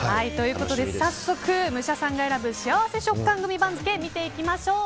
早速、武者さんが選ぶ幸せ食感グミ番付見ていきましょう。